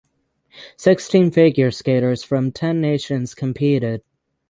Sixteen figure skaters from ten nations competed.